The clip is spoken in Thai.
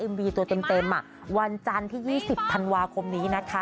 มวีตัวเต็มเต็มหนักวันจันทร์ที่ยี่สิบทันวาโคมนี้นะคะ